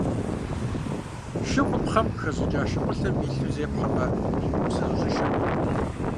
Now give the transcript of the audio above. Шыгъур пхъэм къыхэщӀыкӀа шыгъулъэм илъу зепхьэмэ, псы зыщӀишэркъым.